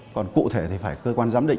còn cụ thể thì phải cơ quan giám định